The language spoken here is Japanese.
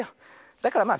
だからまあ